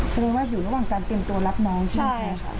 แสดงว่าอยู่ระหว่างการเตรียมตัวรับน้องใช่ไหมคะ